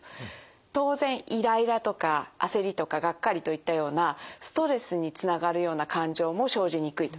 当然イライラとか焦りとかがっかりといったようなストレスにつながるような感情も生じにくいと。